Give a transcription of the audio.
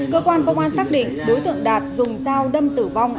cơ quan công an xác định đối tượng đạt dùng dao đâm tử vong